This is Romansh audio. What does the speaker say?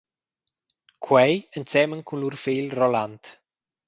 Quei ensemen cun lur fegl Roland.